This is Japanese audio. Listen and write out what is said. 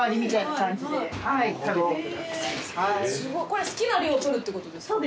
これ好きな量取るってことですか。